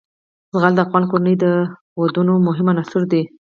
زغال د افغان کورنیو د دودونو مهم عنصر دی.